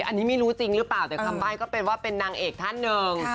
อันนี้ไม่รู้จริงหรือเปล่าแต่คำใบ้ก็เป็นว่าเป็นนางเอกท่านหนึ่ง